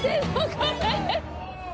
これ。